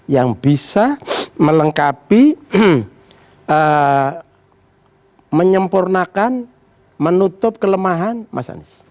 yang bisa melengkapi menyempurnakan menutup kelemahan mas anies